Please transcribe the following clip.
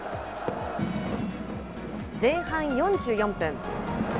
前半４４分。